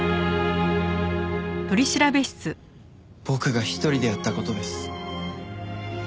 僕が一人でやった事です。